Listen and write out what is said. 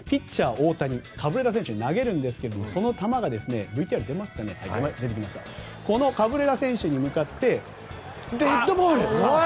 大谷カブレラ選手に投げるんですけどその球がカブレラ選手に向かってデッドボール。